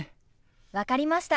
分かりました。